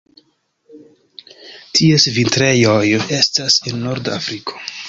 Ties vintrejoj estas en norda Afriko.